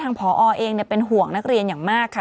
ผอเองเป็นห่วงนักเรียนอย่างมากค่ะ